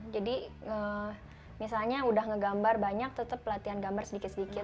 jadi misalnya udah ngegambar banyak tetep latihan gambar sedikit sedikit